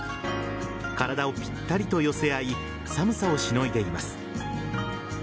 体をぴったりと寄せ合い寒さをしのいでいます。